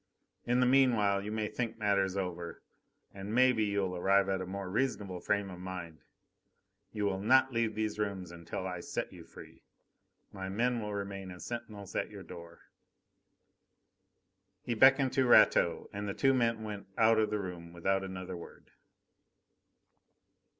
In the meanwhile, you may think matters over, and, maybe, you'll arrive at a more reasonable frame of mind. You will not leave these rooms until I set you free. My men will remain as sentinels at your door." He beckoned to Rateau, and the two men went out of the room without another word.